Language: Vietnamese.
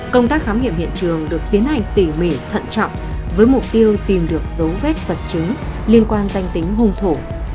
công tác khám nghiệm hiện trường được tiến hành tỉ mỉ thận trọng với mục tiêu tìm được dấu vết vật chứng liên quan danh tính hung thủ